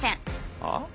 ああ！？